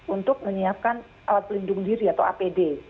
untuk menyiapkan alat pelindung diri atau apd